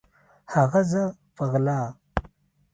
هغه زه په غلا